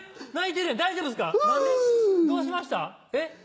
どうしました？え？